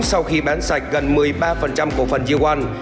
sau khi bán sạch gần một mươi ba cổ phần gia loan